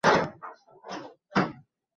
এটি পথের ঠিক দক্ষিণে অবস্থিত।